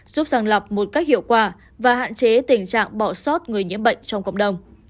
giúp sàng lọc một cách hiệu quả và hạn chế tình trạng bỏ sót người nhiễm bệnh trong cộng đồng